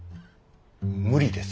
無理です。